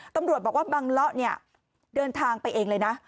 ตำรวจบอกว่าบังเลาะเนี่ยเดินทางไปเองเลยนะ